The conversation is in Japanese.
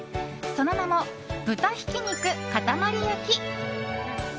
その名も豚ひき肉かたまり焼き。